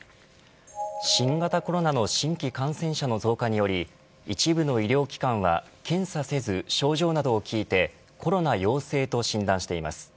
新型コロナの新規感染者の増加により一部の医療機関は検査せず、症状などを聞いてコロナ陽性と診断しています。